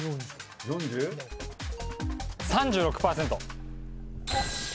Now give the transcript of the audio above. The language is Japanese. ３６％。